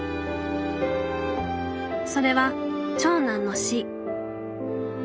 それは長男の死。